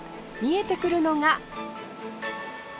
見えてくるのが